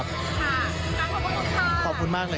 บาทค่ะ